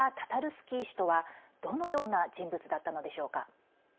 スキー氏とはどのような人物だったのでしょうか。